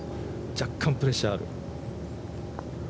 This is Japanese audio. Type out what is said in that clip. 若干プレッシャーある。